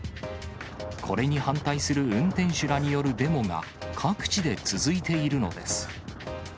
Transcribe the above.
これに反対する運転手らによるデモが、各地で続いているのです。